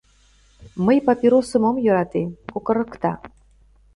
— Мый папиросым ом йӧрате, кокырыкта.